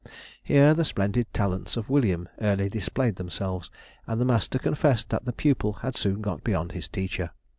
Here the splendid talents of William early displayed themselves, and the master confessed that the pupil had soon got beyond his teacher.